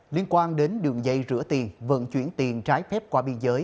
liên quan đến đường dây rửa tiền vận chuyển tiền trái phép qua biên giới